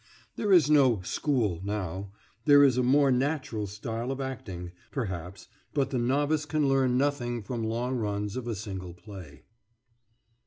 There is no "school" now; there is a more natural style of acting, perhaps, but the novice can learn nothing from long runs of a single play